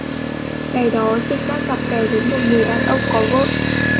Ngày đó chinh đã cặp kè với một người đàn ông có vợ